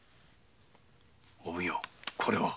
お奉行これは？